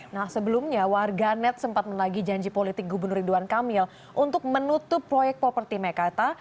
nah sebelumnya warga net sempat menelagi janji politik gubernur ridwan kamil untuk menutup proyek properti meikarta